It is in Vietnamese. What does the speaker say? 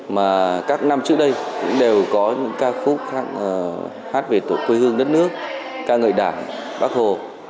mà các năm trước đây cũng đều có những ca khúc hát về tổ quê hương đất nước ca ngợi đảng bác hồ